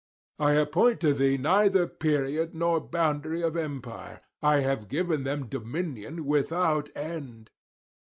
I appoint to these neither period nor boundary of empire: I have given them dominion without end.